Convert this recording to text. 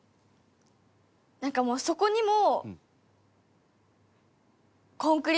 なんかもうそこにも。